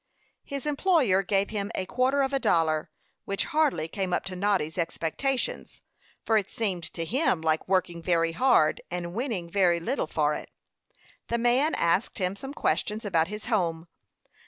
His employer gave him a quarter of a dollar, which hardly came up to Noddy's expectations; for it seemed to him like working very hard, and winning very little for it. The man asked him some questions about his home.